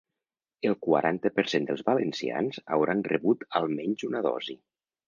El quaranta per cent dels valencians hauran rebut almenys una dosi.